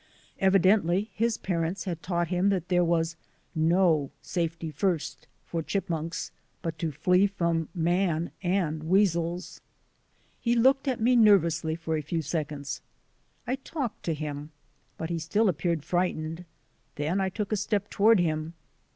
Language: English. Evidently his parents had taught him that there was no "safety first" for chipmunks but to flee from man and weasels. He looked at me nervously for a few seconds. I 144 THE ADVENTURES OF A NATURE GUIDE talked to him but he still appeared frightened. Then I took a step toward him.